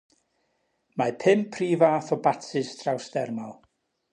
Mae pum prif fath o batsys trawsdermal.